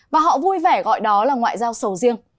và họ vui vẻ gọi đó là ngoại giao sầu riêng